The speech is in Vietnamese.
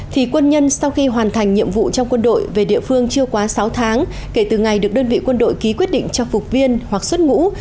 thì quân nhân sau khi hoàn thành nhiệm vụ trong quân đội về địa phương chưa quá sáu tháng kể từ ngày được đơn vị quân đội ký quyết định cho phục viên hoặc xuất ngũ